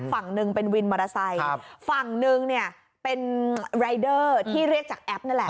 ฝั่งหนึ่งเป็นวินมอเตอร์ไซค์ฝั่งหนึ่งเนี่ยเป็นรายเดอร์ที่เรียกจากแอปนั่นแหละ